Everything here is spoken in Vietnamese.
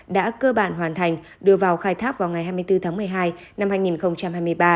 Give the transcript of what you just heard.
đã cơ bản hoàn thành đưa vào khai thác vào ngày hai mươi bốn tháng một mươi hai năm hai nghìn hai mươi ba